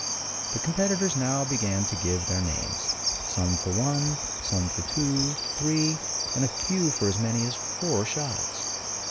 The competitors now began to give in their names; some for one, some for two, three, and a few for as many as four shots.